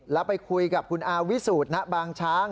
แล้วไปคุยกับคุณอาวิสูจน์ณบางช้าง